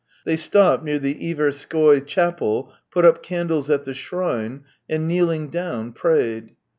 They stopped near the Iverskoy chapel, put up candles at the shrine, and, kneeling down, prayed.